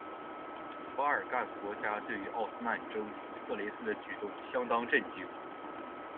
巴尔干国家对于奥斯曼征服色雷斯的举动相当震惊。